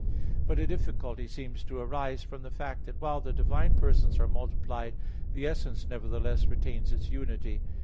But a difficulty seems to arise from the fact that while the divine persons are multiplied, the essence nevertheless retains its unity.